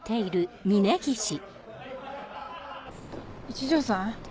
一条さん